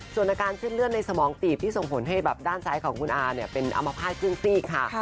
ส่วนอาการเส้นเลือดในสมองตีบที่ส่งผลให้แบบด้านซ้ายของคุณอาเนี่ยเป็นอมภาษณขึ้นซีกค่ะ